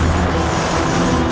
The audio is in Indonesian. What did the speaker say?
aku akan menang